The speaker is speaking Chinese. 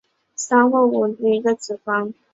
三或五枚雌蕊组成一个子房。